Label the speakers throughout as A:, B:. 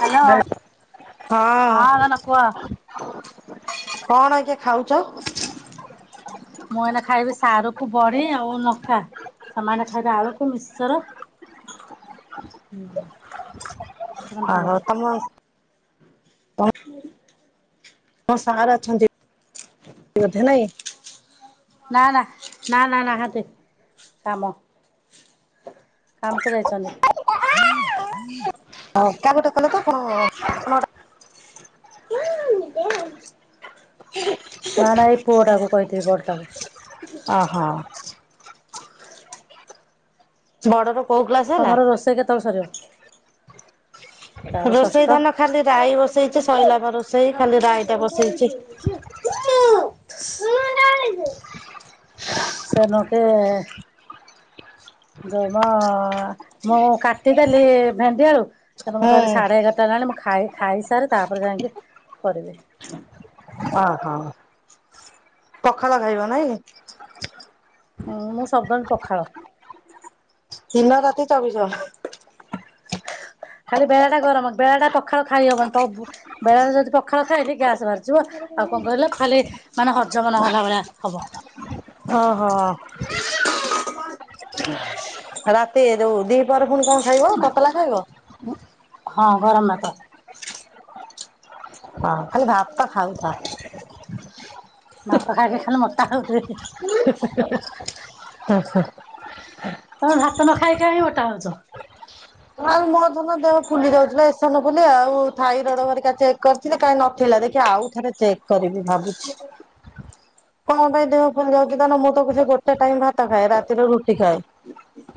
A: Hello.
B: ହଁ।
A: ରନ କୁହ
B: କଣ ଆଜ୍ଞା ଖାଉଚ?
A: ମୁଁ ଏଇନା ଖାଇବି ସାରୁକୁ ବଡି ଆଉ ନ ଖା। ସେମାନେ ଖାଇଲେ ଆଳୁକୁ ମିକ୍ସସର।
B: [unintelligible]
A: ହୁଁ।
B: ଓହୋ ତମ
A: [unintelligible]
B: ହଁ ସାର୍ ଅଛନ୍ତି ବୋଧେ ନାଇଁ?
A: ନା ନା ନା ନା ନାହାନ୍ତି କାମ କାମୁକୁ ଯାଇଚନ୍ତି।
B: ହଉ କା ଗୋଟେ କଲେ ତ କଣ
A: [unintelligible]
B: [unintelligible]
A: ନା ନା ଏଇ ପୁଅଟା କୁ କହିଥିବି ବଡଟାକୁ।
B: ଅହ। ବଡ଼ ର
A: ତମର ରୋଷେଇ କେତବଳେ ସରିବ? ତାର
B: ରୋଷେଇ
A: ଷଷ୍ଠ
B: ଧନ ଖାଲି ରାଇ ବସେଇଚି ଶଇଲା ବା ରୋଷେଇ, ଖାଲି ରାଇ ଟା ବସେଇଚି।
A: ସେ ନୋକେ ଯଉମ, ମୁଁ କାଟିଦେଲି ଭେଣ୍ଡି ଆଳୁ କିନ୍ତୁ ମୁଁ
B: ହୁଁ
A: କହିଲି ସାଡେ ଏଗାରଟା ହେଲାଣି ମୁଁ ଖାଇ ଖାଇସାରେ ତାପରେ ଯାଇକି କରିବି।
B: ଓହୋ, ପଖାଳ ଖାଇବ ନାଇଁ?
A: ହଁ ମୁଁ ସବୁବେଳେ ପଖାଳ।
B: ଦିନ ରାତି ଚବିଶି ଘଣ୍ଟା।
A: ଖାଲି ବେଳାଟା ଗରମ ବେଳାଟା ପଖାଳ ଖାଇହବନି ତଳୁକୁ। ବେଳାରେ ଯଦି ପଖାଳ ଖାଇଲି ଗ୍ୟାସ୍ ବାହାରିଯିବ ଆଉ କଣ କହିଲ ଖାଲି ମାନେ ହଜମ ନହେଲା ଭଳିଆ ହବ।
B: ଓହ, ରାତି ଯୋଉ ଦି ହରେ ପୁଣି କଣ ଖାଇବ ତତଲା ଖାଇବ?
A: ହଁ ଗରମ ଭାତ।
B: ହଁ ଖାଲି ଭାତ ଖାଉଥା।
A: ମାଛ ଖାଇ ଖାଇ ଖାଲି ମୋଟା ହେଉଥିବେ।
B: ହୁଁ ହୁଁ।
A: ତମେ ଭାତ ନ ଖାଇ କାଇଁ ମୋଟା ହଉଚ?
B: ଆଉ ମୋ ଧନ ଦେହ ଫୁଲି ଯାଉଚି ଲ ଏସନ ଫୁଲିଆ ଆଉ ଥାଇରଡ ହରିକା ଚେକ୍ କି କାଇଁ ନଥିଲା। ଦେଖିଆ ଆଉ ଥରେ ଚେକ୍ କରିବି ଭାବୁଚି। କଣ ପାଇଁ ଦେହ ଫୁଲି ଯାଉଚି ତାହାନେ ମୁଁ ତ ପଛେ ଗୋଟେ ଟାଇମ୍ ଭାତ ଖାଏ, ରାତିରେ ରୁଟି ଖାଏ।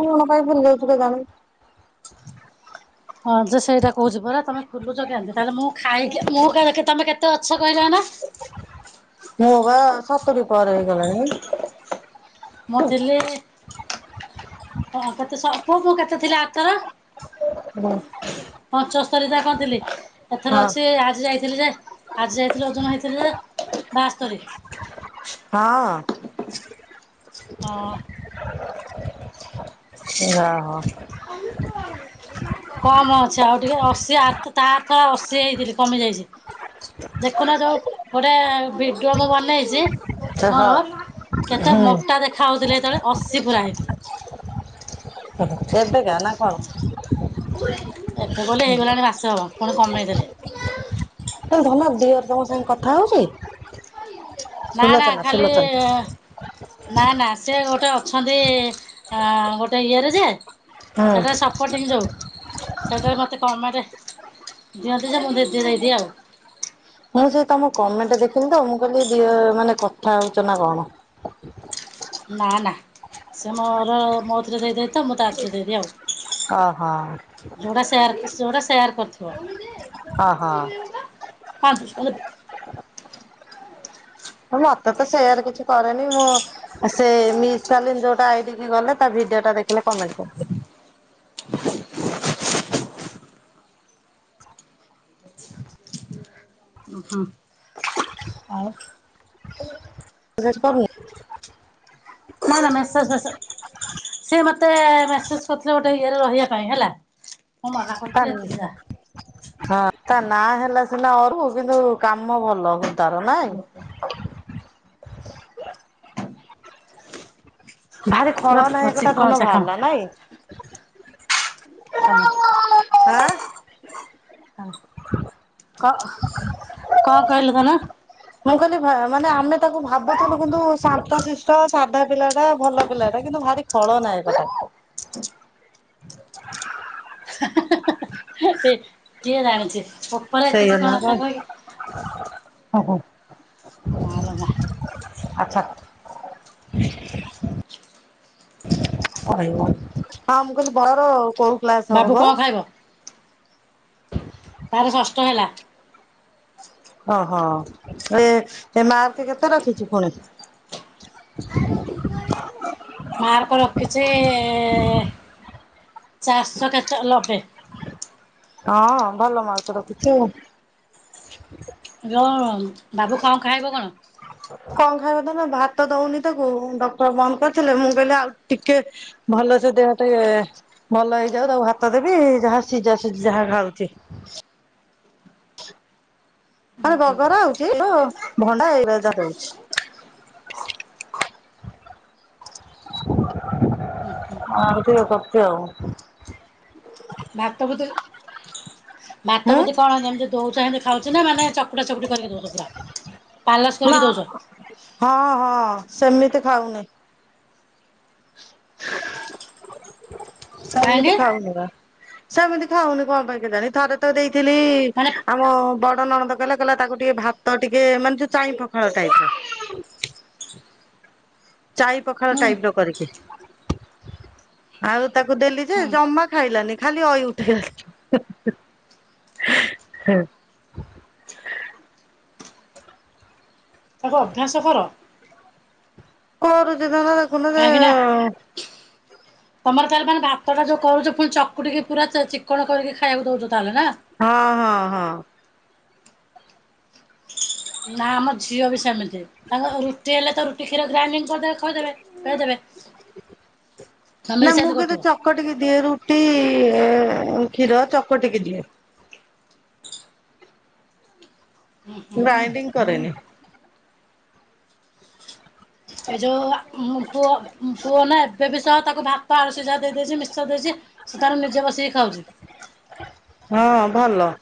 B: କଣ ପାଇଁ ଫୁଲି ଯାଉଚୁ କେଜାଣି। [inaudible]
A: ହଁ ଯେ ସେଇଟା କହୁଛି ପରା ତମେ ଖୁଲୁଛ କେମିତି ତାହେଲେ ମୁଁ ଖାଇକି ମୁଁ କାଳେ ତମେ କେତେ ଅଛ କହିଲ ନା।
B: ମୁଁ ବା ସତରୀ ପରେ ହେଇଗଲାଣି।
A: ମୁଁ ଥିଲି ପଶଠୀ ସ ପୁଅ ତୁ କେତେ ଥିଲେ ଆର ଥର?
B: ହୁଁ।
A: ପଞ୍ଚସ୍ତରୀ ତା କଣଥିଲି ଏଥର ଅଛି ଆଜି ଯାଇଥିଲି ଯେ ଆଜି ଯାଇଥିଲି ଓଜନ ହେଇଥିଲା ବାସ୍ତରୀ
B: ହଁ।
A: ହଁ।
B: ଯା ହଉ।
A: କମ୍ ଅଛି ଆଉ ଟିକେ ଅଶୀ ତାଥର ଅଶୀ ହେଇଥିଲି କମି ଯାଇଛି। ଦେଖୁନ ଯୋଉ ଗୋଟେ ଭିଡିଓ ମୁଁ ବନେଇଚି
B: ସେ ହଁ
A: ମୋର କେତେ
B: ହୁଁ
A: ମୋଟା ଦେଖା ହଉଥିଲି ସେତେବେଳେ ଅଶୀ ପୁରା ହେଇଥିଲି।
B: ଏବେକା ନା କଣ?
A: ଏବେ ବୋଲେ ହେଇଗଲାଣି ମାସେ ହବ ପୁଣି କମେଇଦେଲି।
B: ହେ ଧନ ଡିଅର୍ ତମ ସାଙ୍ଗେ କଥା ହଉଛି?
A: ନା ନା
B: ସୁଲୋଚନା
A: ଖାଲି
B: ସୁଲୋଚନା
A: ନା ନା ସେ ଗୋଟେ ଅଛନ୍ତି ଗୋଟେ ଇଏରେ ଯେ ସେଟା
B: ହୁଁ।
A: ସ ସପଟିଙ୍ଗ ଯଉ ସେଇଟାରେ ମୋତେ କମଟେ ଦିଅନ୍ତି ଯେ ମୁଁ ଦେଇଦି ଦେଇଦିଏ ଆଉ।
B: ମୁଁ ସେ ତମ କମେଣ୍ଟ ଦେଖିଲି ତ ମୁଁ କହିଲି ଦିଅର ମାନେ କଥା ହଉଛ ନା କଣ?
A: ନା ନା ସେ ମୋର ମୋଥିରେ ଦେଇଦ ତ ମୁଁ ତାଥରେ ଦେଇଦି ଆଉ।
B: ଓହୋ।
A: ଚାର୍ଲିସ୍ ଗୋଟେ ସେୟାର କରଥିବ, ହିଁ।
B: ଓହୋ ମତେ ତ ସେୟାର କିଛି କରେନି ମୁଁ ସେ ମିସ୍ ଚାଲି ଯୋଉଟା ଆଇଡି କି ଗଲେ ତା ଭିଡିଓ ଟା ଦେଖିଲେ କମେଣ୍ଟ କର
A: [inaudible] ଉ ହୁଁ ଆଉ।
B: [inaudible] ମେସେଜ କରୁନି।
A: ନା ନା ମେସେଜ ଫେସେ ସେ ମତେ ମେସେଜ କରିଥିଲେ ଗୋଟେ ଇଏରେ ରହିବା ପାଇଁ ହେଲା ମୋ ମନା କରୁଥିଲୁ ଏତିକିଟ।
B: ହଁ ତା ନା ହେଲା ସିନା ଅରୁ କିନ୍ତୁ କାମ ଭଲ କିନ୍ତୁ ତାର ନାଇଁ। ଭାରି
A: ପୁରା
B: ଖଳନାୟକ ଟା
A: ଚିକ୍କଣ
B: ଧନ
A: ଚାକଣ
B: ବାହାରିଲା ନାଇଁ।
A: କାମ
B: ଆଁ।
A: ଆ କ କଣ କହିଲ ଧନ?
B: ମୁଁ କହିଲି ମାନେ ଆମେ ତାକୁ ଭାବୁଥିଲୁ କିନ୍ତୁ ଶାନ୍ତ ଶିଷ୍ଟ ସାଧା ପିଲା ଟା ଭଲ ପିଲା ଟା କିନ୍ତୁ ଭାରି ଖଳନାୟକ ଟା।
A: [inaudible] [unintelligible] କିଏ ଜାଣିଛି। ଉପରେ ଏତେ
B: ସେୟା
A: ଚିକ୍କଣ
B: ନୁହ ଆଉ
A: ଚାକଣ ହେଇକି
B: କଣ? ହୁଁ, ହୁଁ।
A: ମା ଲୋ ମା।
B: ଆଚ୍ଛା। କହିବ ହଁ ମୁଁ କହିଲି ବଳର କୋଉ କ୍ଲାସ
A: ବାବୁ
B: ହବ?
A: କଣ ଖାଇବ?
B: [inaudible]
A: ତାର ଷଷ୍ଠ ହେଲା।
B: ଓହୋ ଏ ଏ ମାର୍କ କେତେ ରଖିଚି ପୁଣି?
A: ମାର୍କ ରଖିଚି ଚାରଶହ କେତେ ଲବେ।
B: ହଁ ଭଲ ମାର୍କ ରଖୁଚି ଆଉ।
A: ଇଲୋ ବାବୁ କଁ ଖାଇବ କଣ?
B: କଁ ଖାଇବ ତାର ଭାତ ଦଉନି ତାକୁ ଡକ୍ଟର ବନ୍ଦ କରିଥିଲେ ମୁଁ କଇଁଲି ଆଉ ଟିକେ ଭଲସେ ଦେହ ଟିକେ ଭଲ ହେଇଯାଉ ତାକୁ ଭାତ ଦେବି ଯାହା ସିଝା ସିଝି ଯାହା ଖାଉଚି। ମାନେ ବଘରା [unintelligible] ହଉଚି ଭଣ୍ଡା [unintelligible] ଦଉଚି। [inaudible] କଣ ଟିକେ କରୁଚି ଆଉ।
A: ଭାତ ବ
B: ହୁଁ
A: ଭାତବୁତେ କଣ ଏମିତି ଦଉଚହେମିତି ଖାଉଚିନା ମାନେ ଚକୁଡା ଚକୁଡି କରିକି ଦଉଚ ପୁରା। ପାଲସ
B: ନା
A: କରିକି ଦଉଛ
B: ହଁ ହଁ ସେମିତି ଖାଉନି।
A: କାହିଁକି
B: ସେମିତି ଖାଉନିବା। ସେମିତି ଖାଉନି କଁ ପାଇଁ କେଜାଣି ଥରେତ ଦେଇଥିଲି
A: ମାନେ
B: ମୋ ବଡ଼ ନଣନ୍ଦ କଇଁଲା କଇଁଲା ତାକୁ ଟିକେ ଭାତ ଟିକେ ମାନେ ଯୋଉ ଚାଇଁ ପଖାଳ ଟାଇପର ଚାଇଁ ପଖାଳ
A: ହୁଁ
B: ଟାଇପର କରିକି ଆଉ ତାକୁ ଦେଲିଯେ
A: ହୁଁ
B: ଜମା ଖାଇଲାନି ଖାଲି ଅଇଉଠେ ହେ
A: ତାକୁ ଅଭ୍ୟାସ କର?
B: କୋରୁଚି ତାର ଦେଖୁନୁ
A: କାହିଁକି ନା
B: [unintelligible]
A: ତମର ତାହେଲେ ମାନେ ଭାତଟା ଯୋଉ କରୁଚ ପୁଣି ଚକୁଡିକି ପୁରା ଚେ ଚିକଣ କରିକି ଖାଇବାକୁ ଦଉଚ ତାହେଲେ ନା?
B: ହଁ ହଁ ହଁ।
A: ନା ଆମ ଝିଅବି ସେମିତି ତାଙ୍କ ରୁଟି ହେଲେତ ରୁଟି କ୍ଷୀର ଗ୍ରାଇଣ୍ଡିଙ୍ଗ କରିଦେବେ ଖୋଇଦେବେ ପେଇଦେବେ
B: ନା ମୁଁ କେବେ
A: କରୁଥିବ
B: ଚ କଟିକି ଦିଏ ରୁଟି କ୍ଷୀର ଚକୁଟିକି ଦିଏ। ଗ୍ରାାଇଡିଂ କରେନି।
A: ଏଇ ଯୋଉ ଆମ ପୁଅ ପୁଅନା ଏବେବି ସହ ତାକୁ ଭାତ ଆଳୁ ସିଝା ଦେଇଦଉଚି ମିଶ୍ଚର ଦେଇଚି ତାର ନିଜେ ବସିକି ଖାଉଚୀ।
B: ହଁ ଭଲ।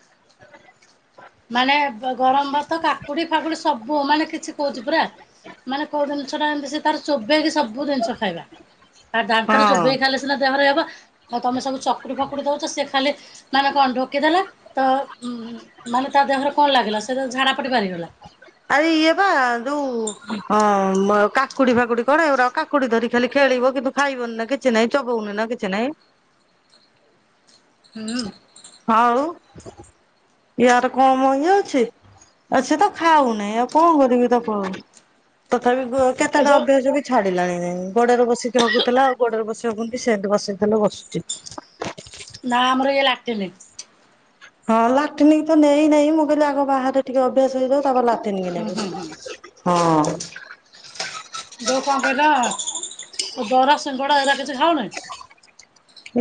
A: ମାନେ ବ ଗରମ୍ ଭାତ କାକୁଡ଼ି ଫାକୁଡ଼ି ସବୁ ମାନେ କିଛି କହୁଚି ପୁରା ମାନେ କୋଉ ଦିନ୍ଷଟା ଏମ୍ତିସେ ତାର ଚୋବେଇକି ସବୁ ଦିନ୍ଷ ଖାଇବା ଦାନ୍ତରେ
B: ହଁ।
A: ଚୋବେଇକି ଖାଇଲେ ସିନା ଦେହରେ ହେବ ଆଉ ତମେ ସବୁ ଚକୁଡ଼ି ଫକୁଡ଼ି ଦଉଚ ସେଖାଲି ମାନେ କଁ ଢୋକିଦେଲା ତ ଉଁ ମାନେ ତାଦେହରେ କଁ ଲାଗିଲା ସେତ ଝାଡ଼ାପଟେ ବାହାରିଗଲା।
B: ଆରେ ଇଏବା ଯୋଉଁ ଅମ କାକୁଡ଼ି ଫାକୁଡ଼ି କଣ ଏଉରା କାକୁଡ଼ି ଧରି ଖାଲି ଖେଳିବ କିନ୍ତୁ ଖାଇବନିନା କିଛି ନାଇଁ ଚବଉନୁନା କିଛି ନାଇଁ।
A: [unintelligible]
B: ଆଉ ୟାର କମ୍ ଇଏ ଅଛି ଆସେତ ଖାଉଁନେଇ ଆଉ କଁ କରିବି ତାକୁ ଆଉ ତଥାପି କ
A: ଏ
B: କେତେଟା
A: ଯୋଉ
B: ଅଭ୍ୟାସ ବି ଛାଡ଼ିଲାଣି ଗୋଡ଼ରେ ବସିକି ହଗୁଥିଲା ଆଉ ଗୋଡ଼ରେ ବସି ହଗନ୍ତି ସେମ୍ତି ବସେଇଦେଲେ ବସୁଚୀ।
A: ନା ଆମର ଇଏ ଲାଟିନି।
B: ହଁ ଲାଟନିକିତ ନେଇ ନେଇ ମୁଁ କହିଲି ଆଗ ବାହାରେ ଟିକେ ଅଭ୍ୟାସ ହେଇଯାଉ ତାପରେ ଲା ଟିନିକି
A: ହୁଁ ହୁଁ ହୁଁ
B: ନେବି ହଁ
A: ଯୋଉ କଣ କହିଲ [unintelligible] ସିଙ୍ଗଡା ଏରା କିଛି ଖାଉନି?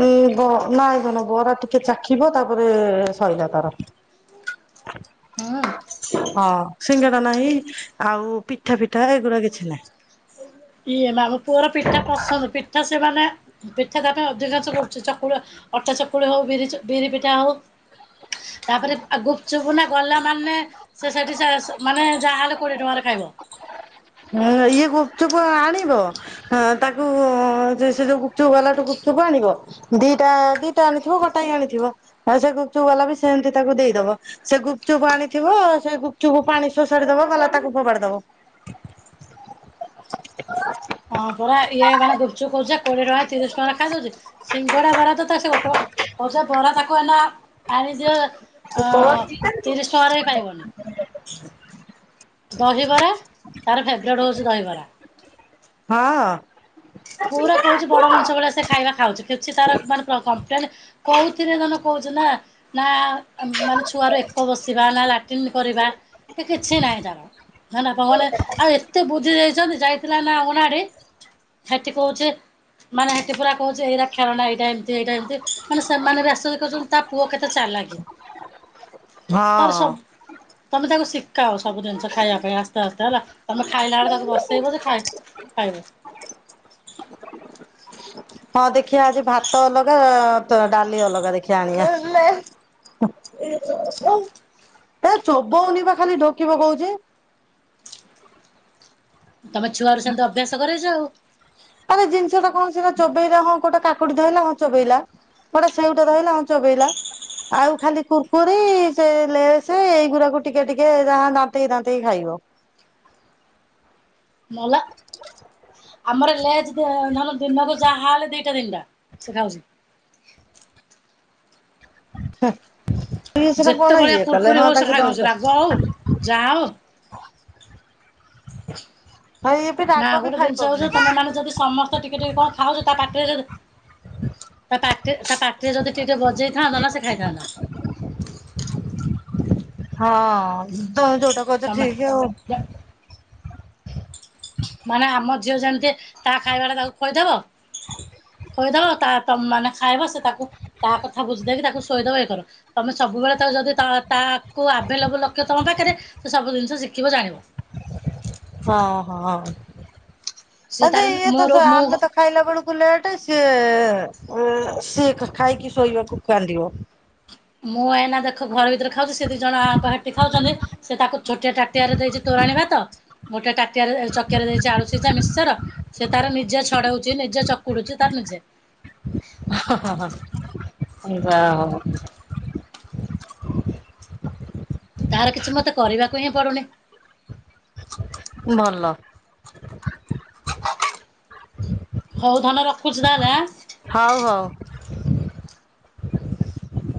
B: ଉଁ ବ ନାଇଁ ଧନ ବରା ଟିକେ ଚାଖିବ ତାପରେ ସଇଲା ତାର।
A: ହଁ।
B: ହଁ ସିଙ୍ଗେଡ଼ା ନାହିଁ ଆଉ ପିଠା ପିଠା ଏଗୁରା କିଛି ନାହିଁ।
A: ଇଏ ମା ମୋ ପୁଅର ପିଠା ପସନ୍ଦ ପିଠା ସେ ମାନେ ପିଠା ତା ପାଇଁ ଅଧିକାଂଶ କରୁଚି ଚକୁଳି ଅଟା ଚକୁଳି ହଉ ବିରିଚ ବିରି ପିଠା ହଉ ତାପରେ ଆ ଗୁପଚୁପୁ ନା ଗଲା ମାନେ ସେ ସେଠି ସା ମାନେ ଯାହାହେଲେ କୋଡିଏ ଟଙ୍କାରେ ଖାଇବ।
B: ହେଁ ଇଏ ଗୁପ୍ ଚୁପ୍ ଆଣିବ ହଁ ତାକୁ ସେ ଯୋଉ ଗୁପଚୁପ ବାଲାଟୁ ଗୁପଚୁପ ଆଣିବ। ଦିଟା ଦିଟା ଆଣିଥିବ ଗୋଟା ଆଣିଥିବ ଆଉ ସେ ଗୁପ୍ ଚୁପ୍ ବାଲା ବି ସେଏନ୍ତି ତାକୁ ଦେଇଦବ। ସେ ଗୁପଚୁପ୍ ଆଣିଥିବ ସେ ଗୁପଚୁପୁ ପାଣି ଶୋଷାଡି ଦବ ଗଲା ତାକୁ ଫୋପାଡି ଦବ।
A: ହଁ ପରା ଇଏମାନେ ଗୁପ୍ ଚୁପ୍ କହୁଚି କୋଡିଏ ଟଙ୍କା ତିରିଶ ଟଙ୍କା ଖାଇଦଉଚି। ସିଙ୍ଗଡା ବରା ତ ତା ସେଓଟ ଅଜା ବରା ତାକୁ ନା ଆଣି ଦିଅ
B: ହଁ
A: ଅ
B: ହଁ
A: ତିରିଶ୍ ଟଙ୍କାରେ ବି ଖାଇବନି। ଦହିବରା ତାର ଫେବ୍ରେଟ୍ ହୋଉଚି ଦହିବରା।
B: ହଁ।
A: ପୁରା କହୁଚି ବଡ ମଣିଷ ଭଳିଆ ସେ ଖାଇବା ଖାଉଚି କିଛି ତାର ମାନେ କ କଂପ୍ଲେନ୍ କୋଉଥିରେ ଧନ କହୁଚି ନା ନା ମାନେ ଛୁଆରୁ ଏକ ବସିବା ନା ଲାଟିନ୍ କରିବା କିଛି ନାହିଁ ତା'ର। [unintelligible] ଆଉ ଏତେ ବୁଦ୍ଧି ଦେଇଚନ୍ତି ଯାଇଥିଲା ନା ଅଙ୍ଗନାବାଡ଼ି ହେଠି କହୁଚି ମାନେ ହେଠି ପୁରା କହୁଚି ଏଇରା ଖେଳଣା ଏଇଟା ଏମିତି ଏଇଟା ଏମିତି ମାନେ ସେମାନେ ବି ଆଶ୍ଚଯ୍ୟ କରୁଚନ୍ତି ତା ପୁଅ କେତେ ଚାଲାକି?
B: [unintelligible]
A: ତାର ସବୁ ତମେ ତାକୁ ସିକାଅ ସବୁ ଜିନିଷ ଖାଇବା ପାଇଁ ଆସ୍ତେ ଆସ୍ତେ ହେଲା। ତମେ ଖାଇଲା ବେଳେ ତାକୁ ବସେଇବ ଯେ ଖାଇ ଖାଇବ।
B: ହଁ ଦେଖିବା ଆଜି ଭାତ ଅଲଗା ଅ ଡାଲି ଅଲଗା ଦେଖିବା ଆଣିବା। ଏ ଚୋବୋଉନି ବା ଖାଲି ଢୋକିପକଉଚି।
A: ତମେ ଛୁଆ ରୁ ସେମିତି ଅଭ୍ୟାସ କରେଇଚ ଆଉ।
B: ଆରେ ଜିନିଷ ଟା କଣ ସିନା ଚୋବେଇଲେ ହଁ କୋଉଟା କାକୁଡି ଧଇଲା ହଁ ଚୋବେଇଲା। ଗୋଟେ ସେଉ ଟେ ଧଇଲା ହଁ ଚୋବେଇଲା। ଆଉ ଖାଲି କୁର୍କୁରି ସେ ଲେସେ ଏଇଗୁରାକୁ ଟିକେ ଟିକେ ଯାହା ଦାନ୍ତେଇ ଦାନ୍ତେଇ ଖାଇବ।
A: ମଲା। ଆମର ଲେଜ ଦ ଧନ ଦିନରେ ଯାହା ହେଲେ ଦିଟା ଦିନିଟା ସେ ଖାଉଚି।
B: ହେ ଇଏ ସିନା
A: ଯେତେ
B: କଣ
A: ଭଳିଆ
B: ଇଏ କଲେ
A: କୁୁରକୁରି
B: ହଁ
A: ହଉ ସେ
B: ତାକୁ
A: ଖାଇଦଉଛି
B: ଦଅନ୍ତ।
A: ରାଗ ହଉ ଯାହା ହଉ
B: ହଁ ଇଏ ବି
A: ନା
B: ରାଗ ବି
A: ଗୋଟେ ଜିନିଷ ହଉଛି
B: ଖାଇପାରୁନି।
A: ତମେ ଯଦି ସମସ୍ତ ତ ଟିକେ ଟିକେ କଣ ଖାଉଚ ତା ପାଟି ରେ [unintelligible] ତା ପାଟି ତା ପାଟିରେ ଯଦି ଟିକେ ବଜେଇଥାନ୍ତ ନା ସେ ଖାଇଥାନ୍ତା।
B: ହଁ ତ ଯୋଉଟା କହୁଚ ଠିକ୍ ଆଉ।
A: ଯା ମାନେ ଆମ ଝିଅ ଯେମିତି ତା ଖାଇବା ଟା ତାକୁ ଖୋଇଦବ। ଶୋଇଦବ ତା ମାନେ ଖାଇବ ସେ ତାକୁ ତା କଥା ବୁଝି ଦେଇକି ତାକୁ ଶୋଇଦବ ଇ କର। ତମେ ସବୁବେଳେ ତ ଯଦି ତାକୁ ଆଭେଲେବୁଲ ରଖିବ ତମ ପାଖରେ ସେ ସବୁ ଜିନିଷ ଶିଖିବ ଜାଣିବ।
B: ହଁ
A: ସିଏ
B: ହଁ
A: ତାର
B: ଇଏ ତ
A: ମୁଁ
B: ଆମେ
A: ମୁଁ
B: ତ ଖାଇଲା ବେଳକୁ ଲେଟ ସିଏ ସିଏ ଖାଇକି ଶୋଇବାକୁ କାନ୍ଦିବ।
A: ମୁଁ ଏାଇନା ଦେଖ ଘର ଭିତରେ ଖାଉଚି ସେ ଦି ଜଣଆଙ୍କ ହେଠି ଖାଉଚନ୍ତି ସେ ତାକୁ ଛୋଟିଆ ଟାଟିଆରେ ଦେଇଚି ତୋରାଣି ଭାତ ଗୋଟିଆ ଟାଟିଆରେ ଚକିଆରେ ଦେଇଚି ଆଳୁ ସିଜା ମିଶ୍ଚର ସେ ତାର ନିଜେ ଛଡଉଛି ନିଜେ ଚକୁଡୁଚି ତାର ନିଜେ।
B: ଯା ହୋଉ।
A: ତାର କିଛି ମତେ କରିବାକୁ ହିଁ ପଡୁନି।
B: ଭଲ।
A: ହଉ ଧନ ରଖୁଚି ତାହାଲେ ଆଁ।
B: ହଉ ହଉ।
A: ହୁଁ